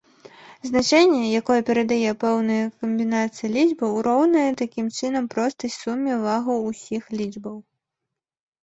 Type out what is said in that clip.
Значэнне, якое перадае пэўная камбінацыя лічбаў, роўнае, такім чынам, простай суме вагаў усіх лічбаў.